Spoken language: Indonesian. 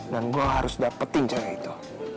dan gue harus dapetin cewek itu